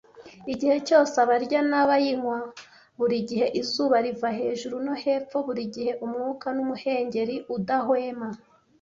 Igihe cyose abarya n'abayinywa, burigihe izuba riva hejuru no hepfo, burigihe umwuka numuhengeri udahwema,